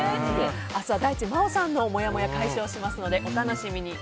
明日は大地真央さんのもやもやを解消しますのでお楽しみに。